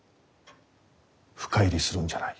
深入りするんじゃない。